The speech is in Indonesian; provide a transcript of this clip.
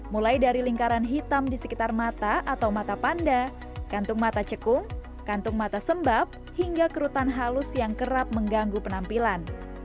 mulai dari lingkaran hitam di sekitar mata atau mata panda kantung mata cekung kantung mata sembab hingga kerutan halus yang kerap mengganggu penampilan